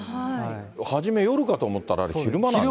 初め夜かと思ったら、昼間なんですね。